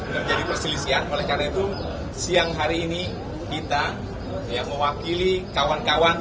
terjadi perselisihan oleh karena itu siang hari ini kita yang mewakili kawan kawan